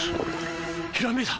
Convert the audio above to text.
ひらめいた！